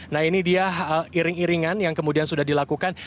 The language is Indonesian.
nah ini dia iring iringan yang kemudian sudah dilakukan